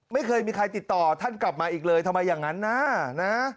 ไม่เคยมีใครติดต่อท่านกลับมาอีกเลยทำไมอย่างนั้นนะ